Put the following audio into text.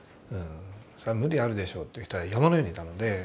それ無理あるでしょって人は山のようにいたので。